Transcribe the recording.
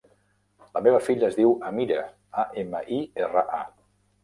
La meva filla es diu Amira: a, ema, i, erra, a.